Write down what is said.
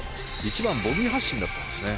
１番ボギー発進だったんですね。